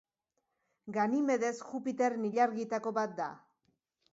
Ganimedes Jupiterren ilargietako bat da.